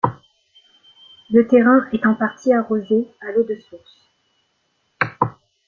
Le terrain est en partie arrosé à l'eau de source.